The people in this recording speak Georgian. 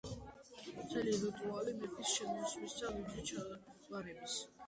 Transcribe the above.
მთელი რიტუალი მეფის შემოსვლისა, ვიდრე ჩააბარეს „კლიტენი ქალაქისანი“, მდიდარია სანახაობის სხვადასხვა ფორმებით.